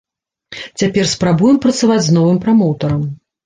Цяпер спрабуем працаваць з новым прамоўтарам.